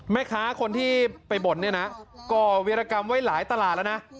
แม่ค้าคนที่ไปบ่นก่อเวียรกรรมไว้หลายตลาดแล้ว